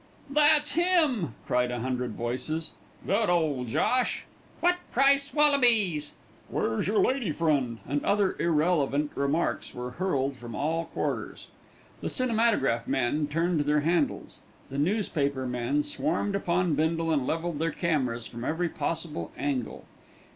"That's him," cried a hundred voices. "Good old Josh!" "What price wallabys?" "Where's your lady friend?" and other irrelevant remarks were hurled from all quarters. The "cinematograph men" turned their handles. The "newspaper men" swarmed down upon Bindle and levelled their cameras from every possible angle.